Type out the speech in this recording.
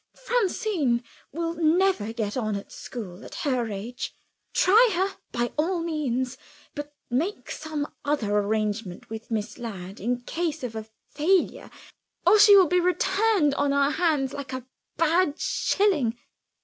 'Francine will never get on at school, at her age. Try her, by all means; but make some other arrangement with Miss Ladd in case of a failure or she will be returned on our hands like a bad shilling.